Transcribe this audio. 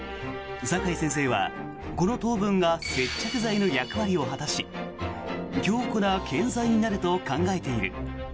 酒井先生はこの糖分が接着剤の役割を果たし強固な建材になると考えている。